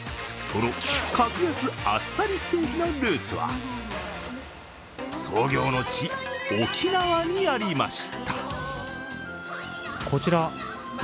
その格安・あっさりステーキのルーツは創業の地・沖縄にありました。